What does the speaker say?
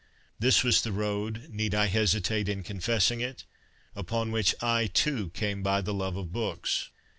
This was the road (need I hesitate in confessing it ?) upon which I, too, came by the love of books.